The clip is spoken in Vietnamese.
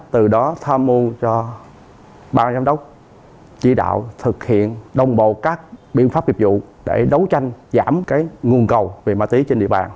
từ đó tham mưu cho ban giám đốc chỉ đạo thực hiện đồng bộ các biện pháp dịch vụ để đấu tranh giảm nguồn cầu về ma túy trên địa bàn